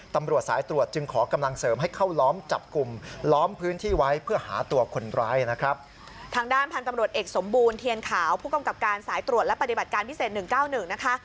ตรวจเอกสมบูรณ์เทียนขาวผู้กำกับการสายตรวจและปฏิบัติการพิเศษ๑๙๑นะคะ